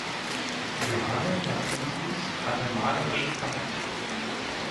Johanne Nathusius hatte malerisches Talent.